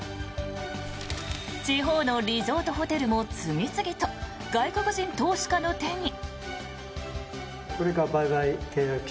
地方のリゾートホテルも次々と外国人投資家の手に。